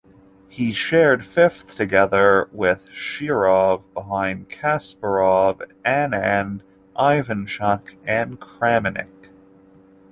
He shared fifth together with Shirov, behind Kasparov, Anand, Ivanchuk and Kramnik.